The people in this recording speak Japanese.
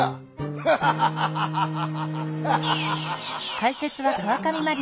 フハハハハハハハ。